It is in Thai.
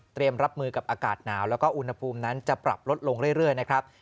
รับมือกับอากาศหนาวแล้วก็อุณหภูมินั้นจะปรับลดลงเรื่อยนะครับ